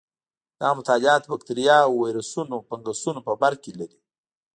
دا مطالعات بکټریاوو، ویروسونو او فنګسونو په برکې لري.